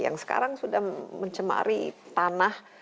yang sekarang sudah mencemari tanah